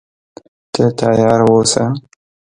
ته تیار اوسه.